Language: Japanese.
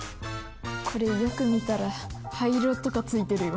これよく見たら灰色とかついてるよ。